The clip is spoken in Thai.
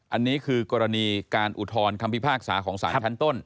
อันนี้คือกรณีการอุทธรณ์คำพิพากษาของสารชั้นต้น